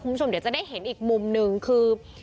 คุณผู้ชมเดี๋ยวจะได้เห็นอีกมุมหนึ่งคือ